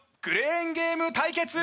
クレーンゲーム対決！